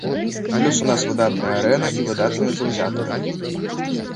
Плюс у нас выдатная арэна і выдатныя заўзятары.